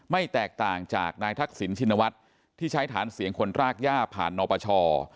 แตกต่างจากนายทักษิณชินวัฒน์ที่ใช้ฐานเสียงคนรากย่าผ่านนปช